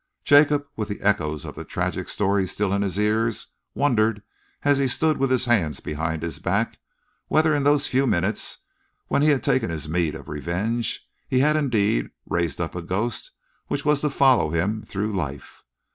Jacob, with the echoes of that tragic story still in his ears, wondered, as he stood with his hands behind his back, whether in those few minutes, when he had taken his meed of revenge, he had indeed raised up a ghost which was to follow him through life.